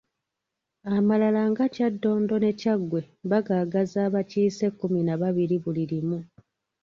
Amalala nga Kyaddondo n'e Kyaggwe bagaagaza abakiise kkumi na babiri buli limu.